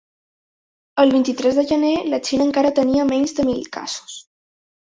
El vint-i-tres de gener, la Xina encara tenia menys de mil casos.